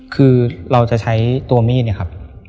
คือเราจะใช้ตัวมีดเนี่ยครับ